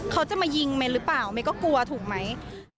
เขาจะมายิงเมนหรือเปล่าเมย์ก็กลัวถูกไหม